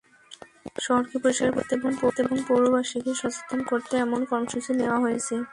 শহরকে পরিষ্কার-পরিচ্ছন্ন রাখতে এবং পৌরবাসীকে সচেতন করতে এমন কর্মসূচি নেওয়া হয়েছে।